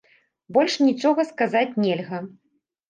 Больш нічога сказаць нельга.